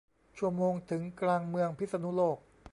ชั่วโมงถึงกลางเมืองพิษณุโลก